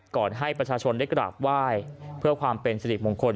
ให้ประชาชนได้กราบไหว้เพื่อความเป็นสิริมงคล